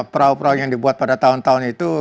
perahu perahu yang dibuat pada tahun tahun itu